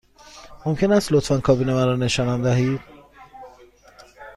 ممکن است لطفاً کابین مرا نشانم دهید؟